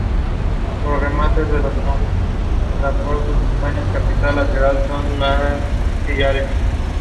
One man died in his burning barn while trying to save his horses.